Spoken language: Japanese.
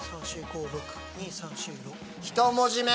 １文字目。